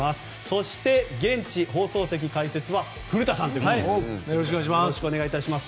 そして、現地放送席の解説は古田さんということでよろしくお願いいたします。